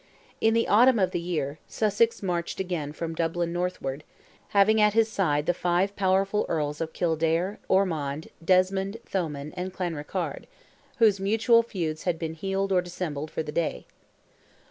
In the autumn of the year, Sussex marched again from Dublin northward, having at his side the five powerful Earls of Kildare, Ormond, Desmond, Thomond, and Clanrickarde—whose mutual feuds had been healed or dissembled for the day.